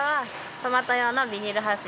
トマト用のビニールハウス？